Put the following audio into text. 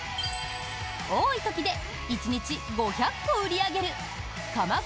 多い時で１日５００個売り上げる鎌倉